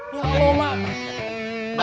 ya allah mak